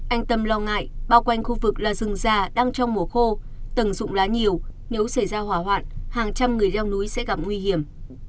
anh tâm lo ngại bao quanh khu vực là rừng già đang trong mùa khô tầng dụng lá nhiều nếu xảy ra hỏa hoạn hàng trăm người leo núi sẽ gặp nguy hiểm